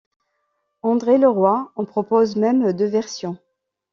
André Leroy en propose même deux versions.